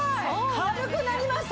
軽くなりました！